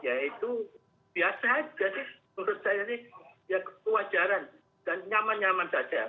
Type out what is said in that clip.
ya itu biasa aja sih menurut saya ini ya kewajaran dan nyaman nyaman saja